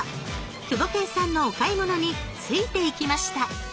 クボケンさんのお買い物についていきました。